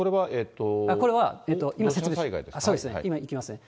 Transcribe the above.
これは、今いきますね。